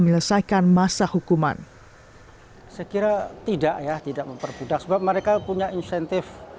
menyelesaikan masa hukuman sekira tidak ya tidak mempermudah sebab mereka punya insentif